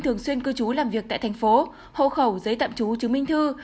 thường xuyên cư trú làm việc tại thành phố hộ khẩu giấy tạm trú chứng minh thư